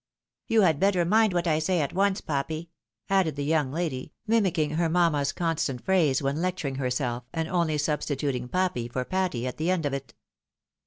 You had better mind what I say at once, Pappy," added the young lady, mimicking her mamma's constant phrase when lecturing herself, and only substituting Pappy for Patty, at the end of it.